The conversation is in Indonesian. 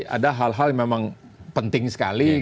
ada hal hal yang memang penting sekali